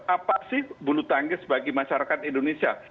apa sih bulu tangkis bagi masyarakat indonesia